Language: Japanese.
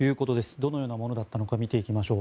どのようなものだったのか見ていきましょう。